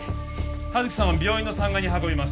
葉月さんを病院の３階に運びます